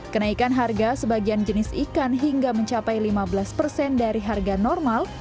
kenaikan harga sebagian jenis ikan hingga mencapai lima belas persen dari harga normal